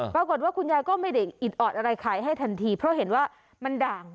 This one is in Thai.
ปรากฏว่าคุณยายก็ไม่ได้อิดออดอะไรขายให้ทันทีเพราะเห็นว่ามันด่าง